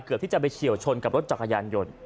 ที่จะไปเฉียวชนกับรถจักรยานยนต์